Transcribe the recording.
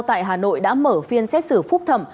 tại hà nội đã mở phiên xét xử phúc thẩm